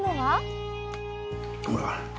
ほら。